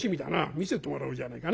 見せてもらおうじゃねえかな。